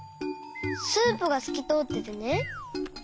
スープがすきとおっててね。